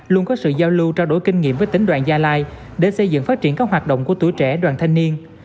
luôn có sự giao lưu trao đổi kinh nghiệm với tỉnh đoàn gia lai để xây dựng phát triển các hoạt động của tuổi trẻ đoàn thanh niên